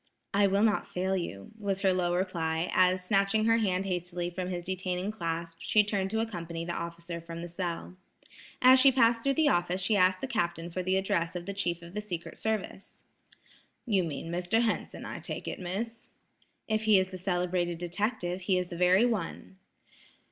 "I will not fail you," was her low reply, as snatching her hand hastily from his detaining clasp, she turned to accompany the officer from the cell. As she passed through the office she asked the captain for the address of the chief of the secret service. "You mean Mr. Henson, I take it, Miss?" "If he is the celebrated detective, he is the very one."